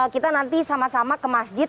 kita nanti sama sama ke masjid